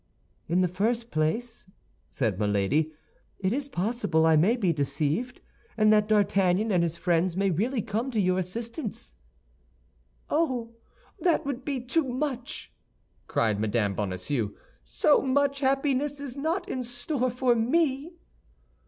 "In the first place," said Milady, "it is possible I may be deceived, and that D'Artagnan and his friends may really come to your assistance." "Oh, that would be too much!" cried Mme. Bonacieux, "so much happiness is not in store for me!"